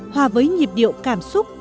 hòa với nhịp điệu cảm xúc